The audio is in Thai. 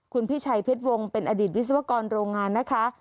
คุณพิชัยเพชรวงศ์เป็นอดีตวิศวกรโรงงานนะคะ